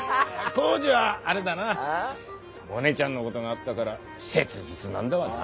耕治はあれだなモネちゃんのごどがあったがら切実なんだわな。